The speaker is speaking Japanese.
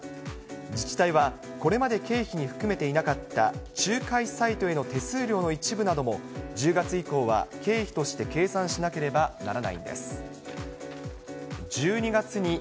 自治体は、これまで経費に含めていなかった仲介サイトへの手数料の一部なども、１０月以降は経費として計算しなければならないんです。